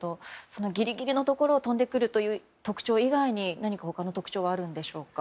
ギリギリのところを飛んでくるという特徴以外に何か他の特徴はあるんでしょうか。